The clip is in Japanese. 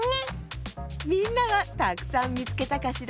みんなはたくさんみつけたかしら？